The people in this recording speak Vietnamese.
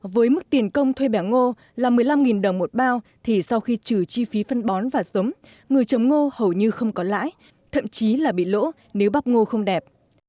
với mức tiền công thuê bẻo ngô là một mươi năm đồng một bao thì sau khi trừ chi phí phân bón và giống người trồng ngô hầu như không có lãi thậm chí là bị lỗ nếu bắp ngô không đẹp